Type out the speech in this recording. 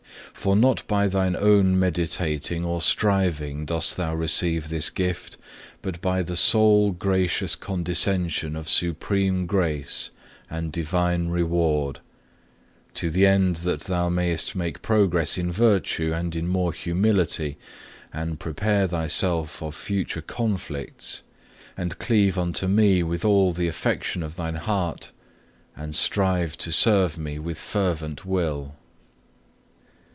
For not by thine own meditating or striving dost thou receive this gift, but by the sole gracious condescension of Supreme Grace and Divine regard; to the end that thou mayest make progress in virtue and in more humility, and prepare thyself for future conflicts, and cleave unto Me with all the affection of thy heart, and strive to serve Me with fervent will.